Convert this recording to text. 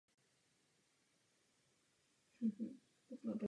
Pracoval nejprve jako topič.